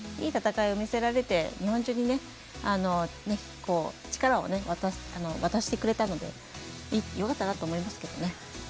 いい戦いを見せられて日本中に力を渡してくれたのでよかったなと思いますけどね。